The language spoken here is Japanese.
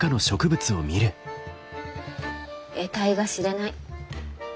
えたいが知れない。